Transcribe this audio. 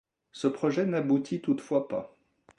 Ce projet n'aboutit toutefois pas.